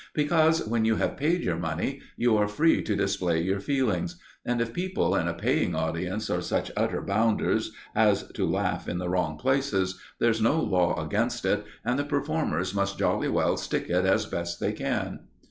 Because, when you have paid your money, you are free to display your feelings; and if people in a paying audience are such utter bounders as to laugh in the wrong places, there's no law against it, and the performers must jolly well stick it as best they can.